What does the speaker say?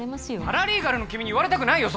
パラリーガルの君に言われたくないよ